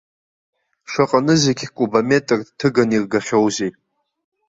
Шаҟа нызқь кубометр ҭыганы иргахьоузеи!